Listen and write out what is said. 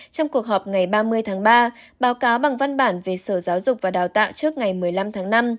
trong cuộc họp ngày ba mươi tháng ba báo cáo bằng văn bản về sở giáo dục và đào tạo trước ngày một mươi năm tháng năm